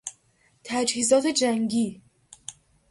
تجهیزات جنگی